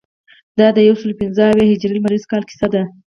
دا د یوسلو پنځه اویا هجري لمریز کال کیسه ده.